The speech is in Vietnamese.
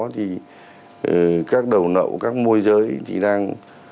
thì các đầu nậu các môi giới thì đang